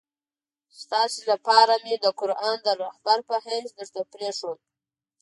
ستاسي لپاره مي قرآن د رهبر په حیث درته پرېښود.